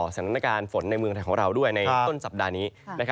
ศึกรรมธนการฝนในเมืองไทยของเราในต้นสัปดาห์นี้